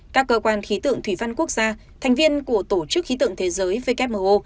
các cơ quan khí tượng thủy văn quốc gia thành viên của tổ chức khí tượng thế giới wmo